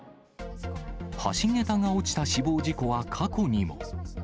橋桁が落ちた死亡事故は過去にも。